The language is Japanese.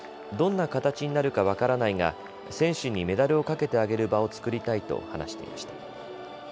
どんな形になるか分からないが選手にメダルを掛けてあげる場を作りたいと話していました。